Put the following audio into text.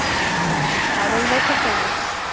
علينا التسوق.